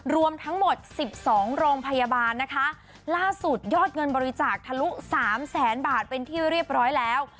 รวมทั้งหมดสิบสองโรงพยาบาลนะคะล่าสุดยอดเงินบริจาคทะลุสามแสนบาทเป็นที่เรียบร้อยแล้ว